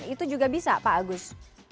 itu juga bisa pak agus